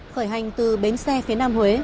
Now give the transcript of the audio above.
khởi hành từ bến xe phía nam huế